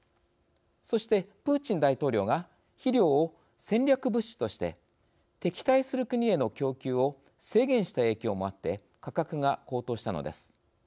そして、プーチン大統領が肥料を戦略物資として敵対する国への供給を制限した影響もあって価格が高騰したのです。